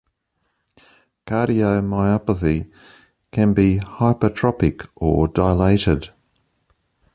Cardiomyopathy can be hypertrophic or dilated.